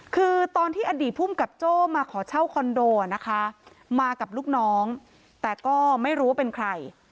คือตอนที่อดีตภูมิกับโจ้มาขอเช่าคอนโดนะคะมากับลูกน้องแต่ก็ไม่รู้ว่าเป็นใคร